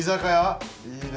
いいね。